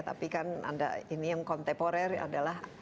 tapi kan anda ini yang kontemporer adalah